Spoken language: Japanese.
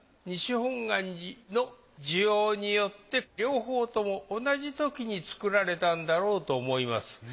西本願寺の需要によって両方とも同じときに作られたんだろうと思います。